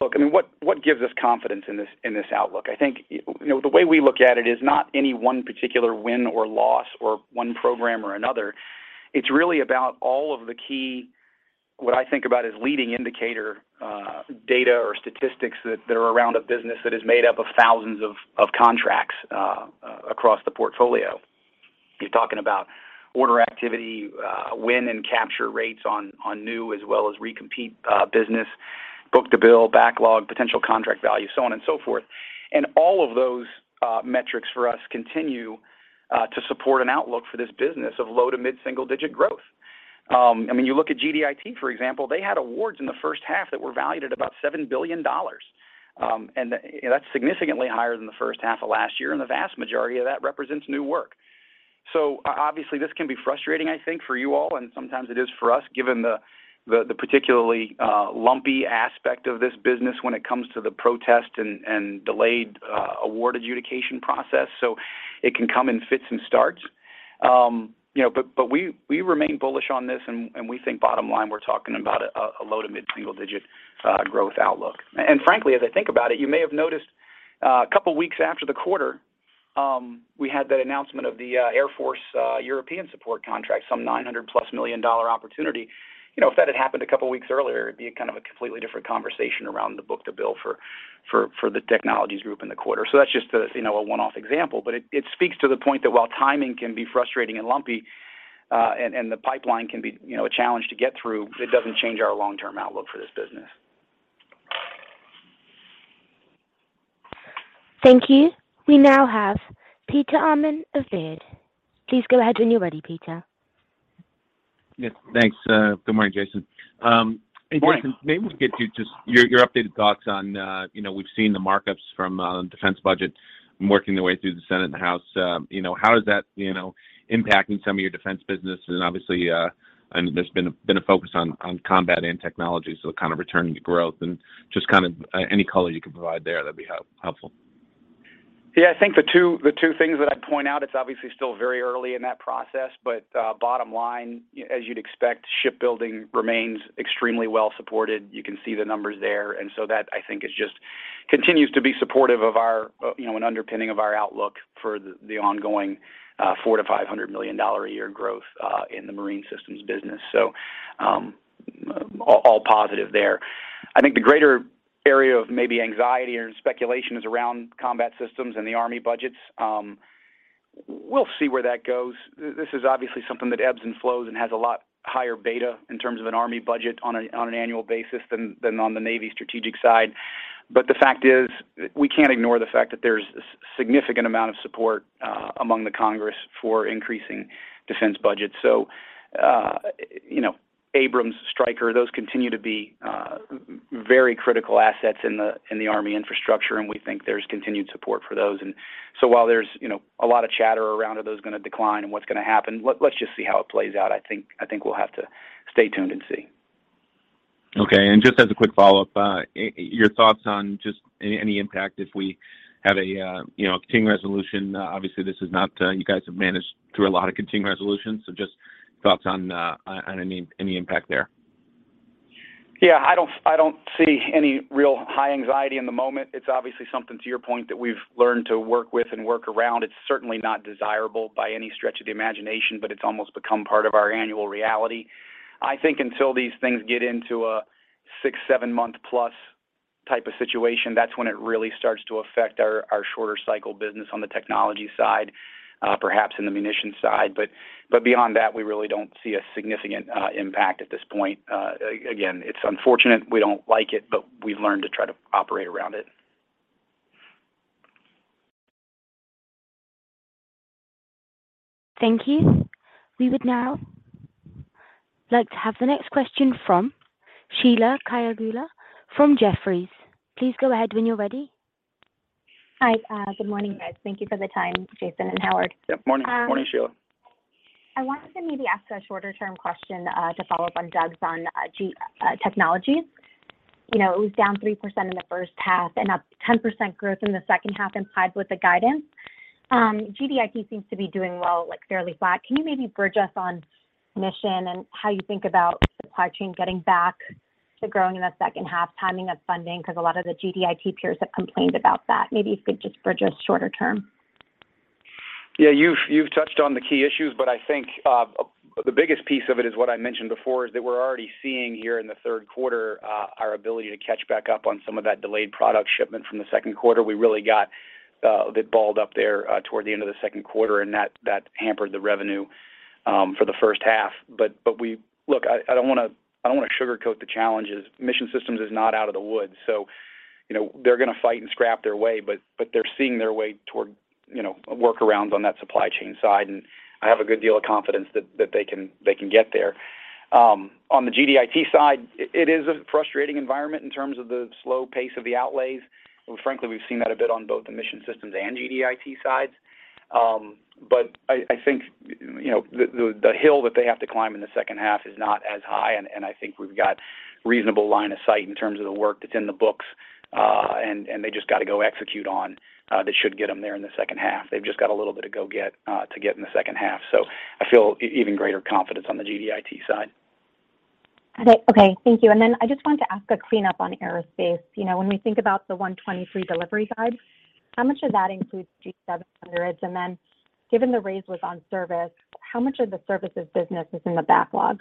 Look, I mean, what gives us confidence in this outlook? I think you know, the way we look at it is not any one particular win or loss or one program or another. It's really about all of the key, what I think about as leading indicator data or statistics that are around a business that is made up of thousands of contracts across the portfolio. You're talking about order activity, win and capture rates on new as well as recompete business, book-to-bill, backlog, potential contract value, so on and so forth. All of those metrics for us continue to support an outlook for this business of low-to-mid-single-digit growth. I mean, you look at GDIT, for example. They had awards in the H1 that were valued at about $7 billion. That's significantly higher than the H1 of last year, and the vast majority of that represents new work. Obviously, this can be frustrating, I think, for you all, and sometimes it is for us, given the particularly lumpy aspect of this business when it comes to the protest and delayed award adjudication process. It can come in fits and starts. You know, we remain bullish on this, and we think bottom line, we're talking about a low-to-mid-single-digit % growth outlook. Frankly, as I think about it, you may have noticed a couple of weeks after the quarter, we had that announcement of the Air Force European support contract, some $900+ million opportunity. You know, if that had happened a couple of weeks earlier, it'd be kind of a completely different conversation around the book-to-bill for the technologies group in the quarter. That's just a, you know, a one-off example. It speaks to the point that while timing can be frustrating and lumpy, and the pipeline can be, you know, a challenge to get through, it doesn't change our long-term outlook for this business. Thank you. We now have Peter Arment of Baird. Please go ahead when you're ready, Peter. Yes. Thanks. Good morning, Jason. Hey Jason. Good morning. Maybe we could get you just your updated thoughts on, you know, we've seen the markups from defense budget working their way through the Senate and House. You know, how is that, you know, impacting some of your defense business? Obviously, there's been a focus on combat and technology, so kind of returning to growth. Just kind of any color you can provide there, that'd be helpful. Yeah. I think the two things that I'd point out, it's obviously still very early in that process, but bottom line, as you'd expect, shipbuilding remains extremely well supported. You can see the numbers there. That, I think, is just continues to be supportive of our, you know, an underpinning of our outlook for the ongoing $400 million-$500 million a year growth in the Marine Systems business. All positive there. I think the greater area of maybe anxiety or speculation is around Combat Systems and the Army budgets. We'll see where that goes. This is obviously something that ebbs and flows and has a lot higher beta in terms of an Army budget on an annual basis than on the Navy strategic side. The fact is, we can't ignore the fact that there's a significant amount of support among the Congress for increasing defense budgets. So, you know, Abrams, Stryker, those continue to be very critical assets in the Army infrastructure, and we think there's continued support for those. While there's, you know, a lot of chatter around, are those gonna decline, and what's gonna happen, let's just see how it plays out. I think we'll have to stay tuned and see. Okay. Just as a quick follow-up, your thoughts on just any impact if we have a, you know, continuing resolution. Obviously, you guys have managed through a lot of continuing resolutions, so just thoughts on any impact there. Yeah. I don't see any real high anxiety in the moment. It's obviously something, to your point, that we've learned to work with and work around. It's certainly not desirable by any stretch of the imagination, but it's almost become part of our annual reality. I think until these things get into a six-seven-month-plus type of situation, that's when it really starts to affect our shorter cycle business on the technology side, perhaps in the munition side. But beyond that, we really don't see a significant impact at this point. Again, it's unfortunate, we don't like it, but we learn to try to operate around it. Thank you. We would now like to have the next question from Sheila Kahyaoglu from Jefferies. Please go ahead when you're ready. Hi. Good morning, guys. Thank you for the time, Jason and Howard. Yep, morning. Morning. Morning, Sheila. I wanted to maybe ask a shorter-term question to follow up on Doug's GD Technologies. You know, it was down 3% in the H1 and up 10% growth in the H2 implied with the guidance. GDIT seems to be doing well, like fairly flat. Can you maybe bridge us on Mission and how you think about supply chain getting back to growing in the H2, timing of funding? Because a lot of the GDIT peers have complained about that. Maybe if you could just bridge us shorter term. Yeah. You've touched on the key issues, but I think the biggest piece of it is what I mentioned before, is that we're already seeing here in the Q3 our ability to catch back up on some of that delayed product shipment from the Q2. We really got a bit balled up there toward the end of the Q2, and that hampered the revenue for the H1. Look, I don't wanna sugarcoat the challenges. Mission Systems is not out of the woods, so you know, they're gonna fight and scrap their way, but they're seeing their way toward you know, workarounds on that supply chain side, and I have a good deal of confidence that they can get there. On the GDIT side, it is a frustrating environment in terms of the slow pace of the outlays. Frankly, we've seen that a bit on both the Mission Systems and GDIT sides. But I think, you know, the hill that they have to climb in the H2 is not as high, and I think we've got reasonable line of sight in terms of the work that's in the books, and they just got to go execute on that should get them there in the H2. They've just got a little bit of go get to get in the H2. I feel even greater confidence on the GDIT side. Okay. Thank you. I just wanted to ask a cleanup on Aerospace. You know, when we think about the 123 delivery guide, how much of that includes G700s? Given the raise was on service, how much of the services business is in the backlog?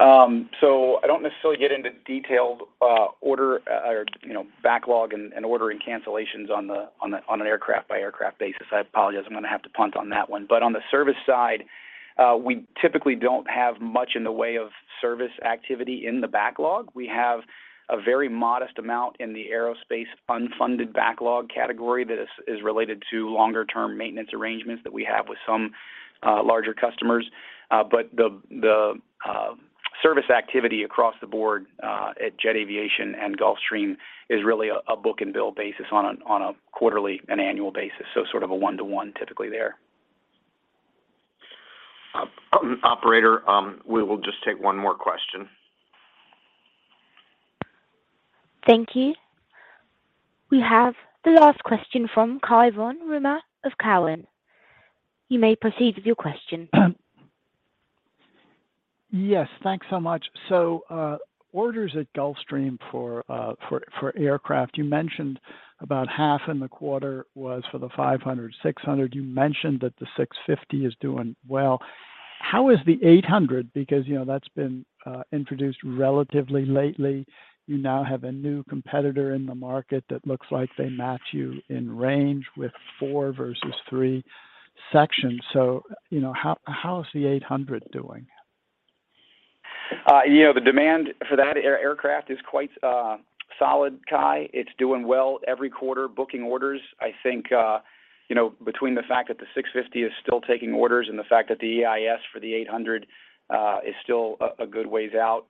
I don't necessarily get into detailed order or, you know, backlog and ordering cancellations on an aircraft-by-aircraft basis. I apologize. I'm gonna have to punt on that one. On the service side, we typically don't have much in the way of service activity in the backlog. We have a very modest amount in the aerospace unfunded backlog category that is related to longer-term maintenance arrangements that we have with some larger customers. The service activity across the board at Jet Aviation and Gulfstream is really a book-to-bill basis on a quarterly and annual basis. Sort of a one-to-one typically there. Operator, we will just take one more question. Thank you. We have the last question from Cai von Rumohr of Cowen. You may proceed with your question. Yes, thanks so much. Orders at Gulfstream for aircraft, you mentioned about half in the quarter was for the G500, G600. You mentioned that the G650 is doing well. How is the G800? Because, you know, that's been introduced relatively lately. You now have a new competitor in the market that looks like they match you in range with four versus three sections. You know, how is the G800 doing? You know, the demand for that aircraft is quite solid, Cai. It's doing well every quarter, booking orders. I think, you know, between the fact that the 650 is still taking orders and the fact that the EIS for the 800 is still a good ways out,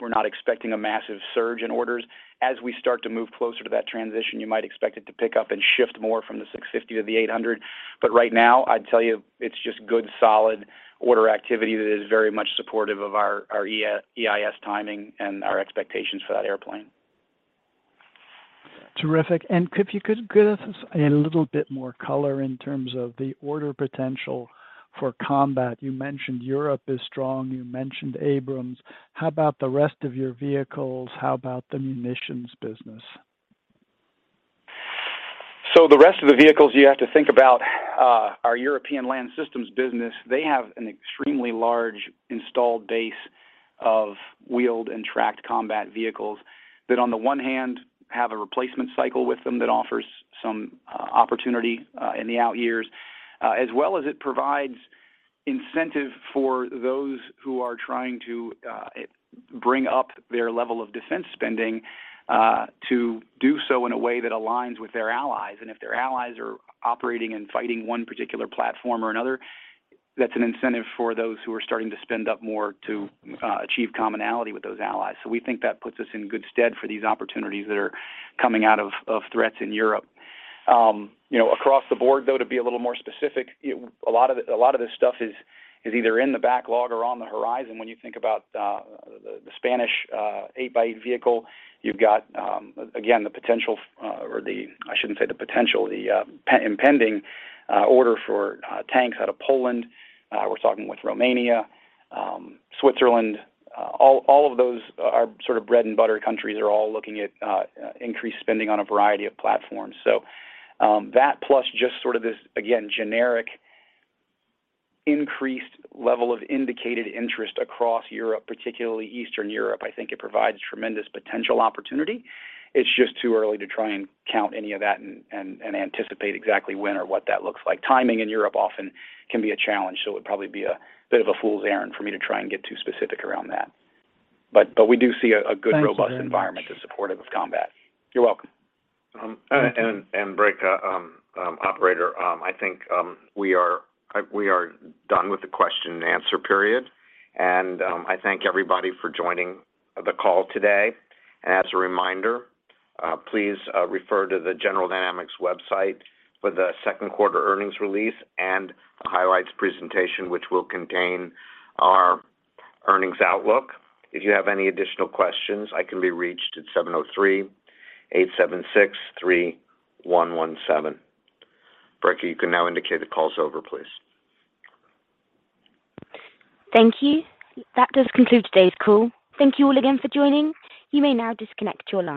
we're not expecting a massive surge in orders. As we start to move closer to that transition, you might expect it to pick up and shift more from the 650 to the 800. Right now, I'd tell you it's just good, solid order activity that is very much supportive of our EIS timing and our expectations for that airplane. Terrific. You could give us a little bit more color in terms of the order potential for combat. You mentioned Europe is strong. You mentioned Abrams. How about the rest of your vehicles? How about the munitions business? The rest of the vehicles, you have to think about our European Land Systems business. They have an extremely large installed base of wheeled and tracked combat vehicles that, on the one hand, have a replacement cycle with them that offers some opportunity in the out years, as well as it provides incentive for those who are trying to bring up their level of defense spending to do so in a way that aligns with their allies. If their allies are operating and fighting one particular platform or another, that's an incentive for those who are starting to spend up more to achieve commonality with those allies. We think that puts us in good stead for these opportunities that are coming out of threats in Europe. You know, across the board, though, to be a little more specific, a lot of this stuff is either in the backlog or on the horizon when you think about the Spanish eight by eight vehicle. You've got again the potential for or the—I shouldn't say the potential—the impending order for tanks out of Poland. We're talking with Romania, Switzerland. All of those are sort of bread and butter countries, are all looking at increased spending on a variety of platforms. That plus just sort of this, again, generic increased level of indicated interest across Europe, particularly Eastern Europe. I think it provides tremendous potential opportunity. It's just too early to try and count any of that and anticipate exactly when or what that looks like. Timing in Europe often can be a challenge, so it would probably be a bit of a fool's errand for me to try and get too specific around that. We do see a good robust environment to support us with combat. You're welcome. Brica, operator, I think we are done with the question and answer period. I thank everybody for joining the call today. As a reminder, please refer to the General Dynamics website for the Q2 earnings release and highlights presentation, which will contain our earnings outlook. If you have any additional questions, I can be reached at 703-876-3117. Brica, you can now indicate the call's over, please. Thank you. That does conclude today's call. Thank you all again for joining. You may now disconnect your line.